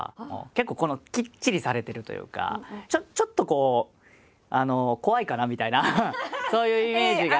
結構きっちりされてるというかちょっとこう怖いかなみたいなそういうイメージが。